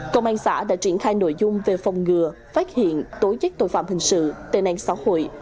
công an xã đã triển khai nội dung về phòng ngừa phát hiện tối giác tội phạm hình sự tệ nạn xã hội